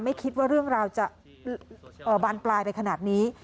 ไม่คิดว่าเรื่องราวจะบานปลายไปขนาดนี้